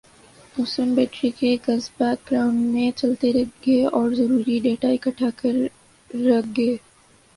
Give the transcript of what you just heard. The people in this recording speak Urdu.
اس ان بیٹری کے گز بیک گراؤنڈ میں چلتے ر گے اور ضروری ڈیٹا اکھٹا کر ر گے